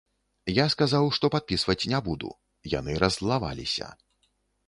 Я сказаў, што падпісваць не буду, яны раззлаваліся.